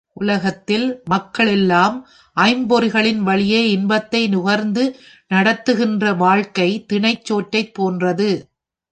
உலகத்தில் மக்கள் எல்லாம் ஐம்பொறிகளின் வழியே இன்பத்தை நுகர்ந்து நடத்துகின்ற வாழ்க்கை, தினைச் சோற்றைப் போன்றது.